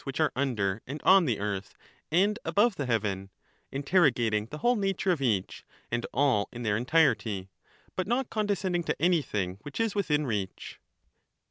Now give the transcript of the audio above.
which ace «nder and on The "earth and above the heaven, interrogating the whole nature of each and all in their entirety, but not condescending to anjrthing which is 174 within reach.